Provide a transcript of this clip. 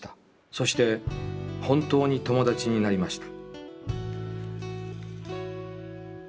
そして、本当に友達になりました」。